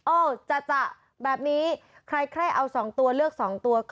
จะแบบนี้ใครเอา๒ตัวเลือก๒ตัวก็